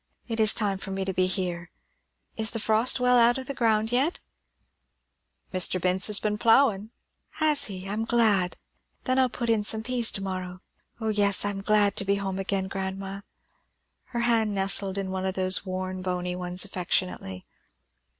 It is time for me to be here. Is the frost well out of the ground yet?" "Mr. Bince has been ploughin'." "Has he? I'm glad. Then I'll put in some peas to morrow. O yes! I am glad to be home, grandma." Her hand nestled in one of those worn, bony ones affectionately.